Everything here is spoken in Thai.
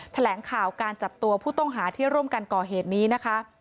แถลงข่าวการจับตัวผู้ต้องหาที่ร่วมกันก่อเหตุนี้นะคะ